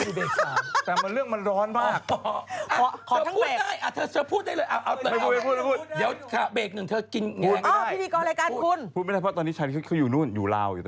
อเจมส์เพราะตอนนี้ชัยกินอยู่ราว